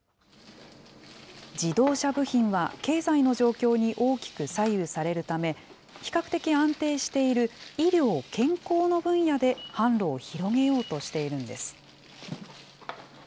自動車部品は経済の状況に大きく左右されるため、比較的安定している医療・健康の分野で販路を広げようとしているんです。